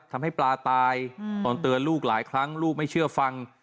ทำให้ปลาตายตอนเตือนลูกหลายครั้งลูกไม่เชื่อฟัง